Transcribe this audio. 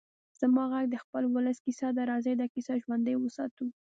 زما غږ د خپل ولس کيسه ده؛ راځئ دا کيسه ژوندۍ وساتو.